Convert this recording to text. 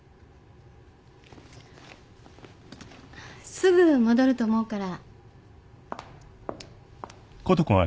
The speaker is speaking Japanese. すぐ戻ると思うから。